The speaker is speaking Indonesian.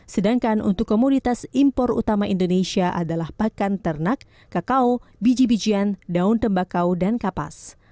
sedangkan untuk komoditas impor utama indonesia adalah pakan ternak kakao biji bijian daun tembakau dan kapas